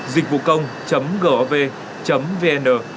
dịch vụ công gov vn